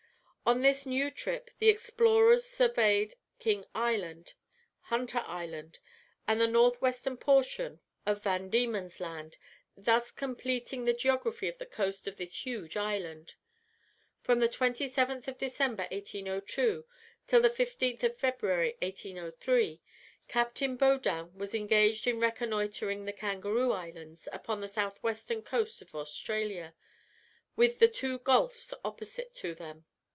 On this new trip the explorers surveyed King Island, Hunter Island, and the north western portion of Van Diemen's Land, thus completing the geography of the coast of this huge island. From the 27th of December, 1802, till the 15th of February, 1803, Captain Baudin was engaged in reconnoitring the Kangaroo Islands, upon the south western coast of Australia, with the two gulfs opposite to them.